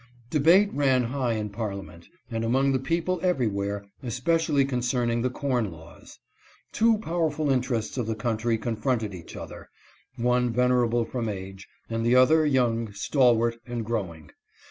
Debate ran high in Parliament and among the people everywhere, especially concerning the corn laws. Two powerful interests of the country confronted each other — one venerable from age, and the other young, stalwart, and growing.